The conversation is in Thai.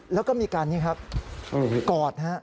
แล้วก็มีการกอดนะฮะ